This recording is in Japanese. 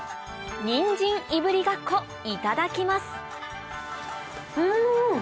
にんじんいぶりがっこいただきますうん！